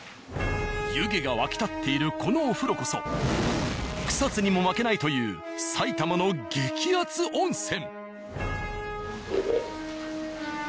湯気が沸き立っているこのお風呂こそ草津にも負けないという埼玉の激熱温泉。